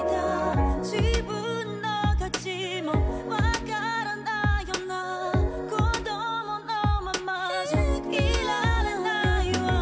「自分の価値もわからないような」「コドモのままじゃいられないわ」